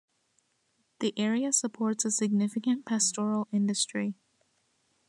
The area supports a significant pastoral industry.